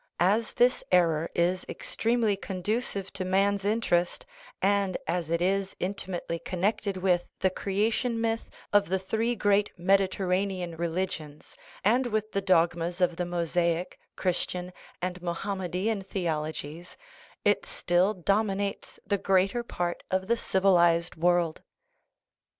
As this error is extremely conducive to man's interest, and as it is intimately connected with the creation myth of the three great Mediterranean religions, and with the dogmas of the Mosaic, Christian, and Mohammedan theologies, it still dominates the greater part of the civ ilized world.